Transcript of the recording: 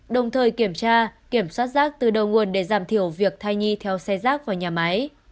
đồng thời kiểm tra kiểm soát rác từ đầu nguồn để giảm thiểu việc thai nhi theo xe rác vào nhà máy